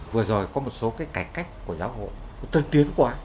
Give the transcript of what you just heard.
vừa rồi có một số cái cải cách của giáo hội nó tân tiến quá